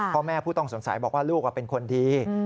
พ่อแม่ผู้ต้องสงสัยบอกว่าลูกเป็นคนดี